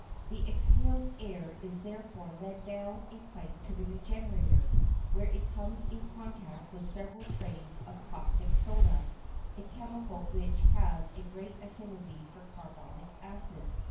The exhaled air is therefore led down a pipe to the regenerator, where it comes into contact with several trays of caustic soda, a chemical which has a great affinity for carbonic acid.